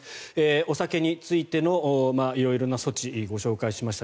お酒についての色々な措置をご紹介しました。